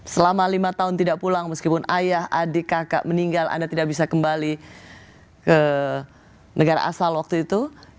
selama lima tahun tidak pulang meskipun ayah adik kakak meninggal anda tidak bisa kembali ke negara asal waktu itu